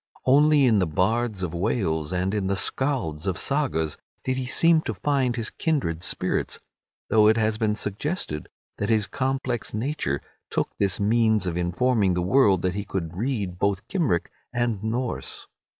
Only in the bards of Wales and in the Scalds of the Sagas did he seem to find his kindred spirits, though it has been suggested that his complex nature took this means of informing the world that he could read both Cymric and Norse.